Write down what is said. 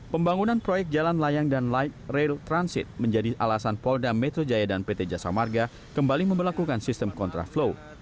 pembangunan proyek jalan layang dan light rail transit menjadi alasan polda metro jaya dan pt jasa marga kembali memperlakukan sistem kontraflow